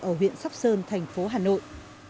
ở huyện sóc sơn thành phố hà nội